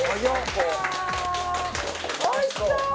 おいしそう！